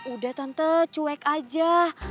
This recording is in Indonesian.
udah tante cuek aja